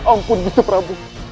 ampun gusti prabu